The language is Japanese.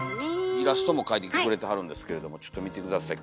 イラストも描いてきてくれてはるんですけれどもちょっと見て下さい。